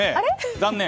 残念。